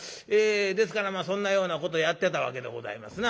ですからそんなようなことやってたわけでございますな。